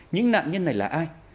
những nạn nhân này là ai